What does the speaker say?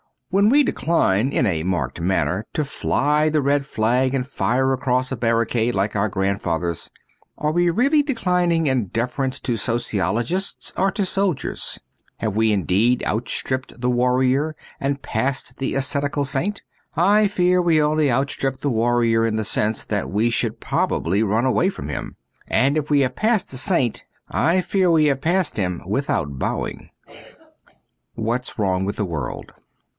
When we decline (in a marked manner) to fly the red flag and fire across a barricade like our grand fathers, are we really declining in deference to sociologists — or to soldiers ? Have we indeed outstripped the warrior and passed the ascetical saint ? I fear we only outstrip the warrior in the sense that we should probably run away from him. And if we have passed the saint, I fear we have passed him without bowing. ^JV hat's Wrong zvith the World.'